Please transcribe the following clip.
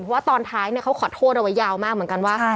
เพราะว่าตอนท้ายเขาขอโทษเอาไว้ยาวมากเหมือนกันว่า